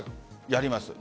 やりますよ。